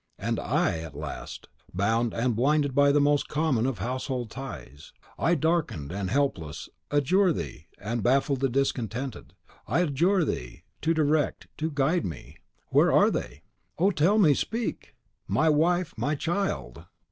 And I, at last, bound and blinded by the most common of household ties; I, darkened and helpless, adjure thee, the baffled and discontented, I adjure thee to direct, to guide me; where are they? Oh, tell me, speak! My wife, my child?